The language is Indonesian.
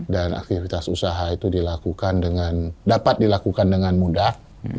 dan aktivitas usaha itu dilakukan dengan dapat dilakukan dengan mudah